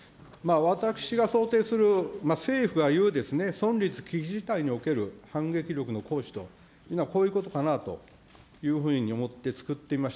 私が想定する政府が言う存立危機事態における反撃力の行使というのは、こういうことかなというふうに思ってつくってみました。